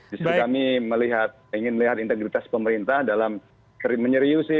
jadi kami ingin melihat integritas pemerintah dalam menyeriusi